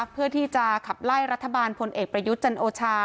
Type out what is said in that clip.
เพื่อที่จะขับไล่รัฐบาลพลเอกประยุทธ์จันโอชา